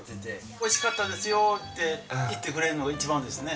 おいしかったですよって言ってくれるのが、一番ですね。